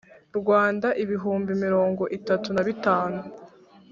Rwanda ibihumbi mirongo itatu na bitanu